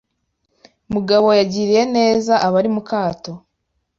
Mugabo yagiriye ineza abari mukato.